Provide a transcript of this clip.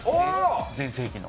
全盛期の。